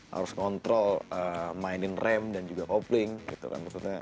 harus ngontrol mainin rem dan juga kopling gitu kan maksudnya